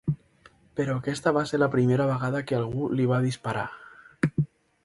Però aquesta va ser la primera vegada que algú li va disparar.